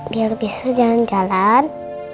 biar besok jalan jalan